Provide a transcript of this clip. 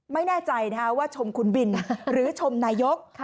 ไม่แน่ใจว่าชมคุณบินหรือชมนายก